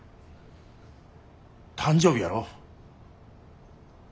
誕生日やろ。